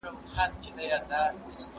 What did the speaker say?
موږ د سياست په اړه نوې پوښتنې لرو.